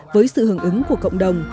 với sự hưởng ứng của cộng đồng